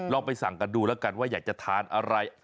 ไปสั่งกันดูแล้วกันว่าอยากจะทานอะไร